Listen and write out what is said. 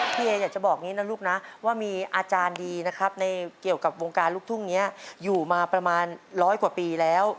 พี่เออยากจะบอกอย่างนี้นะลูกนะว่ามีอาจารย์ดีนะครับในเกี่ยวกับวงการลูกทุ่งนี้อยู่มาประมาณร้อยกว่าปีแล้ว